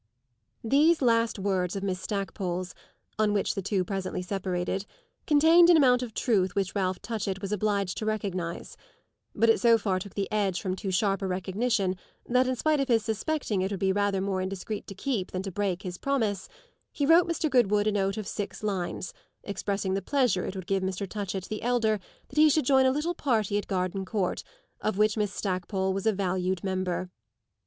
These last words of Miss Stackpole's (on which the two presently separated) contained an amount of truth which Ralph Touchett was obliged to recognise; but it so far took the edge from too sharp a recognition that, in spite of his suspecting it would be rather more indiscreet to keep than to break his promise, he wrote Mr. Goodwood a note of six lines, expressing the pleasure it would give Mr. Touchett the elder that he should join a little party at Gardencourt, of which Miss Stackpole was a valued member.